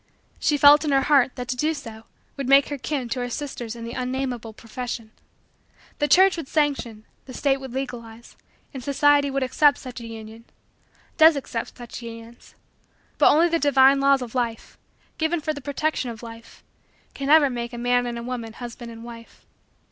She felt in her heart that to do so would make her kin to her sisters in the unnamable profession. The church would sanction, the state would legalize, and society would accept such a union does accept such unions but only the divine laws of Life, given for the protection of Life, can ever make a man and a woman husband and wife.